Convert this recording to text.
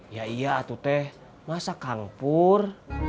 ya iya atuh teh masa kang pur